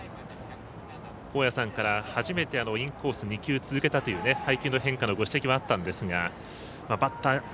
大矢さんから初めてインコース２球続けたという配球の変化のご指摘もあったんですがバッター、